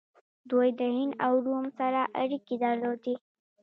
دوی د هند او روم سره اړیکې درلودې